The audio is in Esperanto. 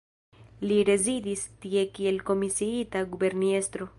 Li rezidis tie kiel komisiita guberniestro.